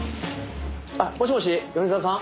あっもしもし米沢さん？